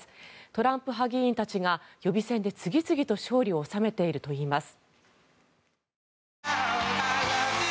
トランプ派議員たちが予備選で次々勝利を収めているといいます。